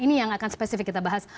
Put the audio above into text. ini yang akan spesifik kita bahas